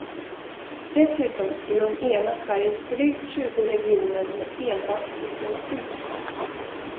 Dessutom skulle hon ena Sveriges drygt tjugo regioner med enbart diplomati.